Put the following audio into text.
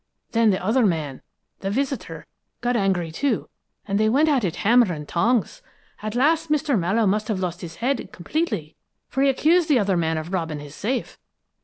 Then the other man, the visitor, got angry, too, and they went at it hammer and tongs. At last, Mr. Mallowe must have lost his head completely, for he accused the other man of robbing his safe.